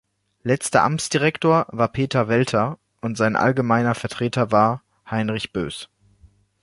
Letzter Amtsdirektor war Peter Welter und sein allgemeiner Vertreter war Heinrich Bös.